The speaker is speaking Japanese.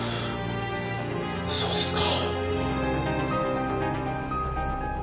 そうですか。